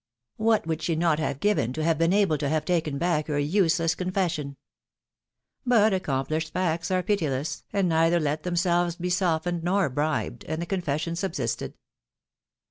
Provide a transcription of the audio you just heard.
v What would she not have given to have been able to have tahen back her useless confession? But accom plished facts are pitiless, and neither let themselves be softened nor bribed, and the confession subsisted.